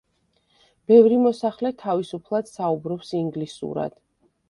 ბევრი მოსახლე თავისუფლად საუბრობს ინგლისურად.